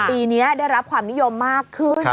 ปีนี้ได้รับความนิยมมากขึ้น